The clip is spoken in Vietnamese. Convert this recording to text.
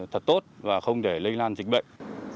thật tốt và không để lây lan dịch bệnh